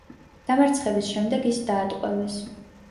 დამარცხების შემდეგ ის დაატყვევეს.